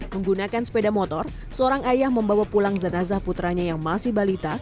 menggunakan sepeda motor seorang ayah membawa pulang zanazah putranya yang masih balita